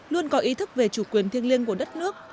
luôn có ý thức về chủ quyền thiêng liêng của đất nước